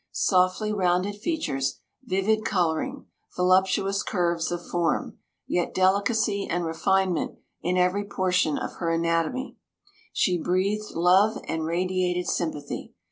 Softly rounded features, vivid colouring, voluptuous curves of form, yet delicacy and refinement in every portion of her anatomy, she breathed love and radiated sympathy.